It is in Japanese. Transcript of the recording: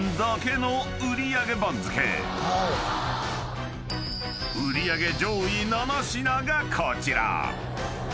［売り上げ上位７品がこちら］